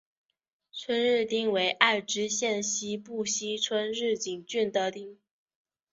春日町为爱知县西部西春日井郡的町。